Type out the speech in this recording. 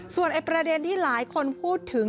ส่วนประเด็นที่หลายคนพูดถึง